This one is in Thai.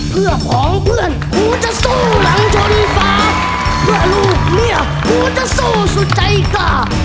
เพื่อของเพื่อนกูจะสู้หลังชนฝาเพื่อลูกเนี่ยกูจะสู้สุดใจกล้า